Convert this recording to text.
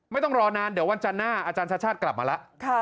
ไม่ต้องรอนานเดี๋ยววันจันทร์หน้าอาจารย์ชาติชาติกลับมาแล้ว